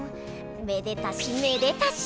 めでたしめでたし！